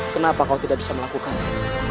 kenapa kau tidak bisa melakukannya